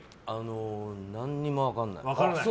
何も分からない。